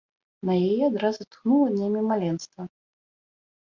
На яе адразу тхнула днямі маленства.